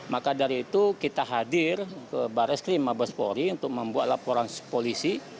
maka dari itu kita hadir ke baris krim mabespori untuk membuat laporan polisi